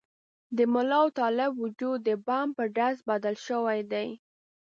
د ملا او طالب وجود د بم په ډز بدل شوي دي.